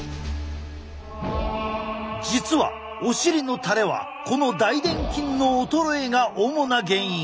実はお尻のたれはこの大でん筋の衰えが主な原因。